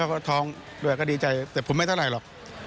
ก็ดีใจแต่ผมไม่เท่าไรหรอก